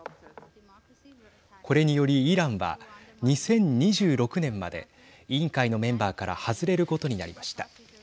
これによりイランは２０２６年まで委員会のメンバーから外れることになりました。